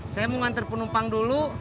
saya mau ngantar penumpang dulu